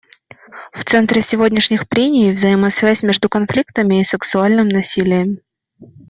В центре сегодняшних прений — взаимосвязь между конфликтами и сексуальным насилием.